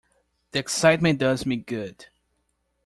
The excitement does me good.